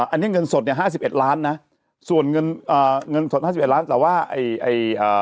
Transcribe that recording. อันนี้เงินสดเนี้ยห้าสิบเอ็ดล้านนะส่วนเงินอ่าเงินสดห้าสิบเอ็ดล้านแต่ว่าไอ้ไอ้อ่า